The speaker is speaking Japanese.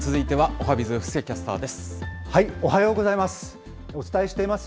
おはようございます。